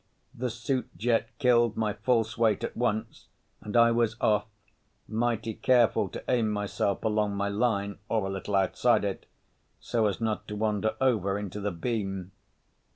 The suit jet killed my false weight at once and I was off, mighty careful to aim myself along my line or a little outside it, so as not to wander over into the beam.